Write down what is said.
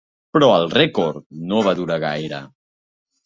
Però el rècord no va durar gaire.